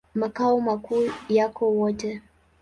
Makao makuu yako Wote.